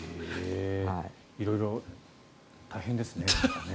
色々大変ですね。